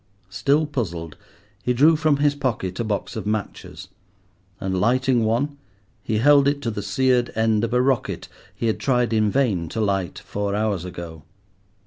Still puzzled, he drew from his pocket a box of matches, and, lighting one, he held it to the seared end of a rocket he had tried in vain to light four hours ago.